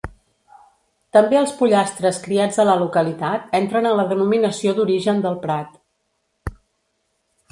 També els pollastres criats a la localitat entren a la denominació d'origen del Prat.